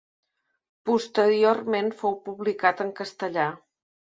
Posteriorment, fou publicat en castellà.